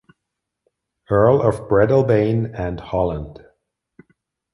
Earl of Breadalbane and Holland.